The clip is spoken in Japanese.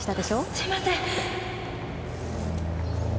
すみません。